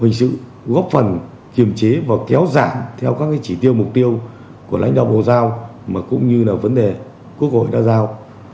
hình sự góp phần kiềm chế và kéo giảm theo các chỉ tiêu mục tiêu của lãnh đạo bộ giao mà cũng như là vấn đề quốc hội đã giao